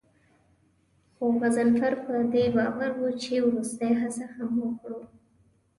خو غضنفر په دې باور و چې وروستۍ هڅه هم وکړو.